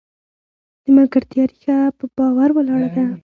د ملګرتیا ریښه په باور ولاړه ده.